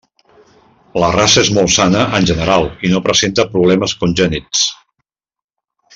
La raça és molt sana en general i no presenta problemes congènits.